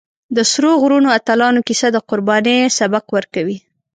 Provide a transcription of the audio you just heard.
د سرو غرونو اتلانو کیسه د قربانۍ سبق ورکوي.